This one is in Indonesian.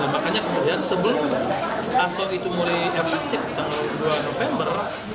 dan makanya kemudian sebelum aso itu mulai efektif tanggal dua november